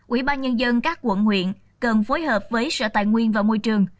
ủy ban nhân dân các quận huyện cần phối hợp với sở tài nguyên và môi trường